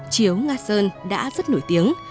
chiếu nga sơn đã rất nổi tiếng